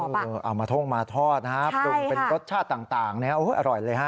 เอามาท่งมาทอดนะครับปรุงเป็นรสชาติต่างเนี่ยอร่อยเลยฮะ